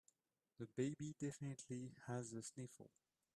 The baby definitely has the sniffles.